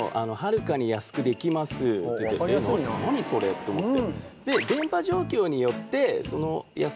何それ！って思って。